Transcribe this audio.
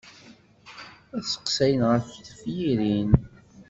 Ad seqsayen ɣef tefyirin.